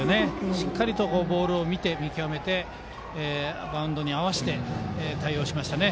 しっかりとボールを見極めてバウンドに合わせて対応しましたね。